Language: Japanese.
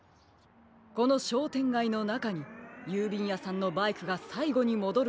このしょうてんがいのなかにゆうびんやさんのバイクがさいごにもどるところがありますよ。